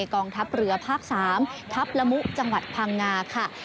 กองทัพเรือภาค๓ทัพละมุจังหวัดพังงาค่ะ